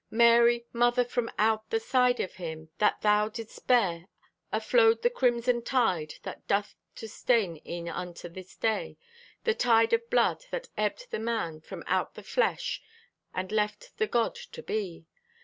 Mary, mother, from out the side of Him That thou didst bear, aflowed the crimson tide That doth to stain e'en unto this day— The tide of blood that ebbed the man From out the flesh and left the God to be.